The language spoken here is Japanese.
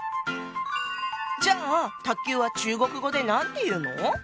じゃあ卓球は中国語で何て言うの？